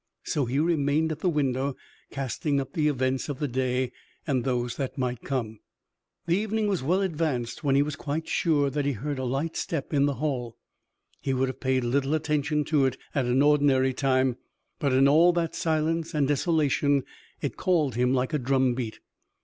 So he remained at the window, casting up the events of the day and those that might come. The evening was well advanced when he was quite sure that he heard a light step in the hall. He would have paid little attention to it at an ordinary time, but, in all that silence and desolation, it called him like a drum beat.